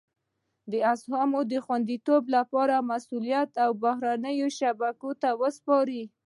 د اسهامو د خوندیتوب لپاره مسولیت بهرنیو شبکو ته سپاري.